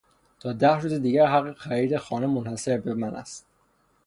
تا ده روز دیگر حق خرید خانه منحصر به من است.